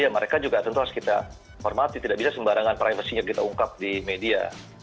ya mereka juga tentu harus kita hormati tidak bisa sembarangan primacy nya kita ungkap di media